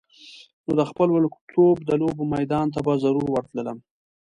نو د خپل وړکتوب د لوبو میدان ته به ضرور ورتللم.